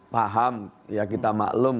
paham ya kita maklum